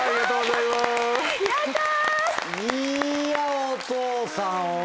いやお父さん。